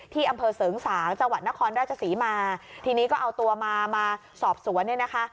ที่อำเภอเสริงสางจังหวัดนครราชศรีมาทีนี้ก็เอาตัวมามาสอบสวนเนี่ยนะคะ